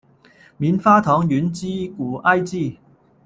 棉花糖源自古埃及。